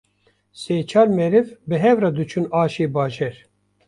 sê-çar meriv bi hevra diçûn aşê bajêr